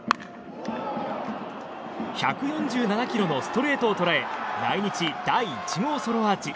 １４７キロのストレートを捉え来日第１号ソロアーチ。